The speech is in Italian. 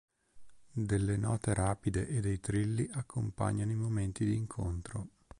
Delle note rapide e dei trilli accompagnano i momenti di incontro.